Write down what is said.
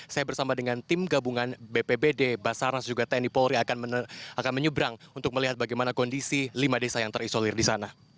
saya bersama dengan tim gabungan bpbd basarnas juga tni polri akan menyeberang untuk melihat bagaimana kondisi lima desa yang terisolir di sana